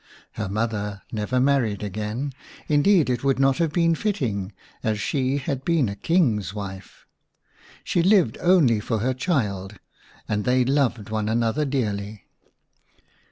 Her mother never married again ; indeed it would not have been fitting, as she had been a King's wife. She lived only for her child, and they loved one another dearly.